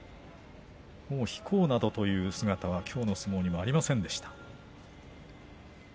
引こうなどという姿はきょうの相撲にはありませんでした。